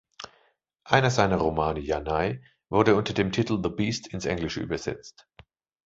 Einer seiner Romane, "Yanai", wurde unter dem Titel "The Beast" ins Englische übersetzt.